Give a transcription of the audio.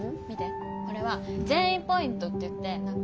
これは善意ポイントっていって。